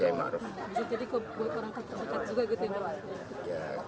jadi kok buat orang terdekat juga gitu ya pak